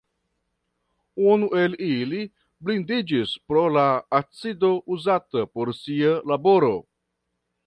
Unu el ili blindiĝis pro la acido uzata por sia laboro.